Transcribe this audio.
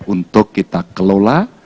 untuk kita kelola